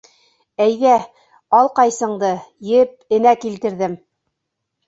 Әйҙә: ал ҡайсыңды, еп, энә килтерҙем!